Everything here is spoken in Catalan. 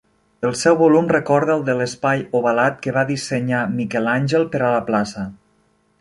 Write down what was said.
El seu volum recorda el de l'espai ovalat que va dissenyar Miquel Àngel per a la plaça.